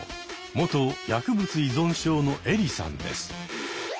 元薬物依存症のエリさんです。